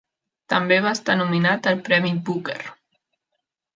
També va estar nominat al premi Booker.